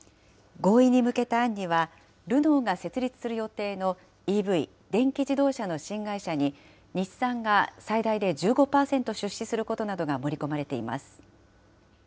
合意に向けた案には、ルノーが設立する予定のＥＶ・電気自動車の新会社に、日産が最大で１５％出資することなどが盛り込まれています。